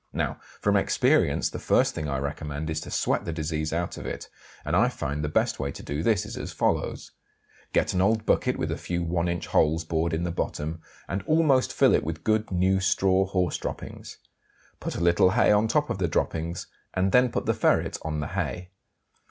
Now, from experience the first thing I recommend is to sweat the disease out of it, and I find the best way to do this is as follows: Get an old bucket with a few one inch holes bored in the bottom, and almost fill it with good new straw horse droppings; put a little hay on the top of the droppings, and then put the ferret on the hay.